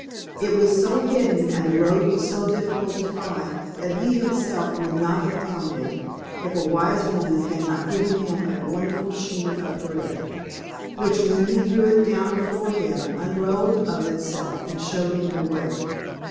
It was so hidden, and the road was so difficult to find, that he himself would not have found it, if a wise woman had not given him a wonderful skein of thread; which, when he threw it down before him, unrolled of itself and showed him the way.